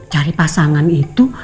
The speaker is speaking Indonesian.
cari pasangan itu